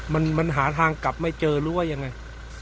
มันหาทางกลับไม่เจอหรือว่ายังไง